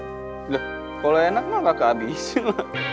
udah kalau enak mah kakak habisin